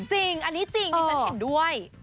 จริงอันนี้จริงดิฉันเห็นด้วย